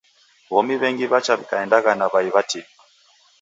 W'omi w'engi w'acha w'ikaendagha na w'ai w'atini.